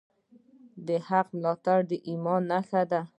د حق ملاتړ د ایمان نښه ده.